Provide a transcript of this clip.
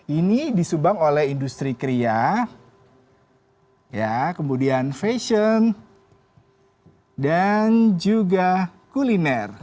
ini disubang oleh industri kria kemudian fashion dan juga kuliner